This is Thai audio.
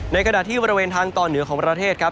ขณะที่บริเวณทางตอนเหนือของประเทศครับ